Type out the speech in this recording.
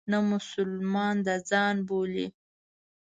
نه مسلمانان د ځان بولي.